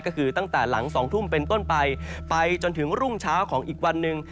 ก็คือตั้งแต่หลัง๒ทุ่มเป็นต้นไปไปจนถึงรุ่งเช้าของอีกวันหนึ่ง